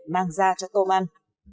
mang ra cho tôm ăn